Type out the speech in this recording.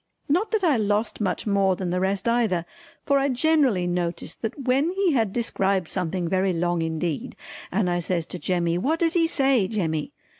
Not that I lost much more than the rest either, for I generally noticed that when he had described something very long indeed and I says to Jemmy "What does he say Jemmy?"